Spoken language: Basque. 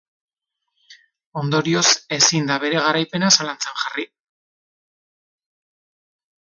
Ondorioz ezin da bere garaipena zalantzan jarri.